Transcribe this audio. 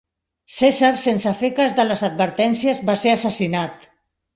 Cèsar, sense fer cas de les advertències, va ser assassinat.